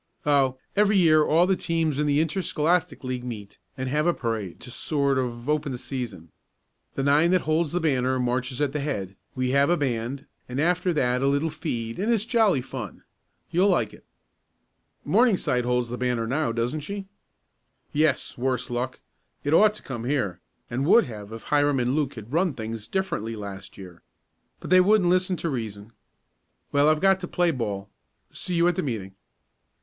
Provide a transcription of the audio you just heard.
"Oh, every year all the teams in the Interscholastic League meet and have a parade to sort of open the season. The nine that holds the banner marches at the head, we have a band, and after that a little feed and it's jolly fun. You'll like it." "Morningside holds the banner now, doesn't she?" "Yes, worse luck. It ought to come here, and would have if Hiram and Luke had run things differently last year. But they wouldn't listen to reason. Well, I've got to play ball. See you at the meeting."